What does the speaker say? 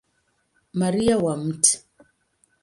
Maria wa Mt.